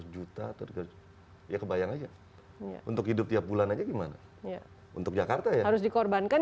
dua ratus juta atau ya kebayang aja untuk hidup tiap bulan aja gimana untuk jakarta ya harus dikorbankan